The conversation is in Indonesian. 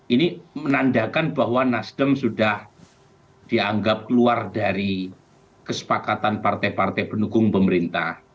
ini menandakan bahwa nasdem sudah dianggap keluar dari kesepakatan partai partai pendukung pemerintah